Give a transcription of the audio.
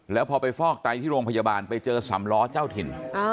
แล้วพอไปฟอกไตที่โรงพยาบาลไปเจอสำล้อเจ้าถิ่น